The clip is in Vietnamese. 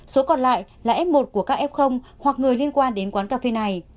số còn lại là f một của các f hoặc người liên quan đến quán cà phê này